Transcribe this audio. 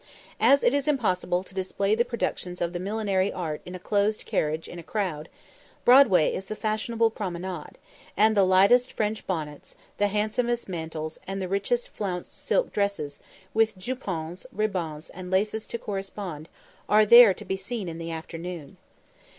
As it is impossible to display the productions of the millinery art in a close carriage in a crowd, Broadway is the fashionable promenade; and the lightest French bonnets, the handsomest mantles, and the richest flounced silk dresses, with jupons, ribands, and laces to correspond, are there to be seen in the afternoon.